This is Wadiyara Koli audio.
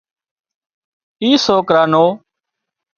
اِي سوڪرا نو